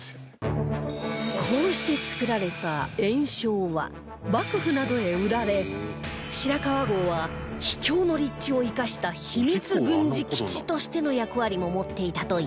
こうして作られた焔硝は幕府などへ売られ白川郷は秘境の立地を生かした秘密軍事基地としての役割も持っていたといいます